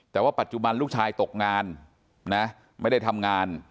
แต่ว่าปัจจุบันลูกชายตกงานนะไม่ได้ทำงาน